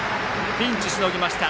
ピンチしのぎました。